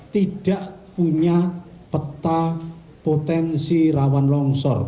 tidak punya peta potensi rawan longsor